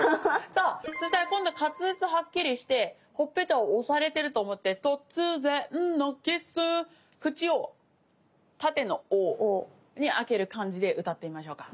そうそうしたら今度滑舌をはっきりしてほっぺたを押されてると思ってとつぜんのキス口を縦の「お」に開ける感じで歌ってみましょうか。